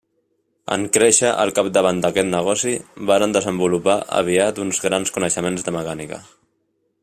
En créixer al capdavant d'aquest negoci, varen desenvolupar aviat uns grans coneixements de mecànica.